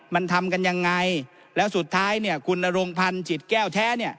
มันทำกันยังไงแล้วสุดท้ายคุณรงพันธ์จิตแก้วแท้